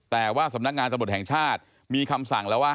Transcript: แต่ว่าสำนักงานตำรวจแห่งชาติมีคำสั่งแล้วว่า